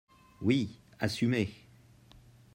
Oui, assumez